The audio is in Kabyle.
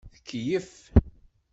Tkeyyef.